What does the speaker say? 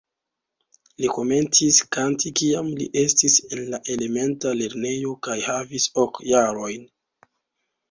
Li komencis kanti kiam li estis en la elementa lernejo kaj havis ok jarojn.